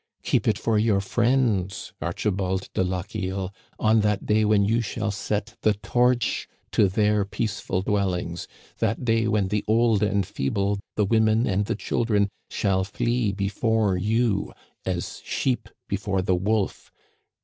Keep it for your friends, Archibald de Lochiel, on that day when you shall set the torch to their peaceful dwellings, that day when the old and feeble, the women and the children, shall flee before you as sheep before the wolf!